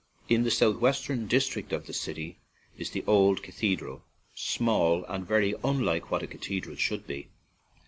In the south western district of the city is the old cathe dral, small and very unlike what a cathe dral should be.